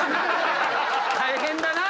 大変だな。